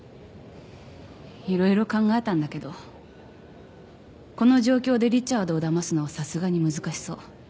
色々考えたんだけどこの状況でリチャードをだますのはさすがに難しそう。